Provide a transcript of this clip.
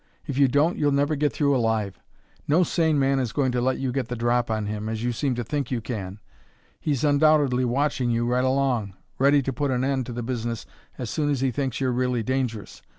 If you don't, you'll never get through alive. No sane man is going to let you get the drop on him, as you seem to think you can. He's undoubtedly watching you right along, ready to put an end to the business as soon as he thinks you're really dangerous.